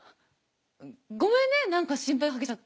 ごめんね何か心配かけちゃって。